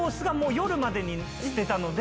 夜までにしてたので。